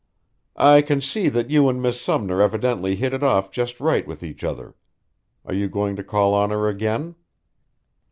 "I can see that you and Miss Sumner evidently hit it off just right with each other. Are you going to call on her again?"